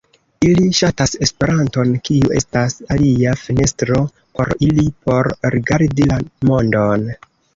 Ili ŝatas Esperanton, kiu estas alia fenestro por ili por rigardi la mondon.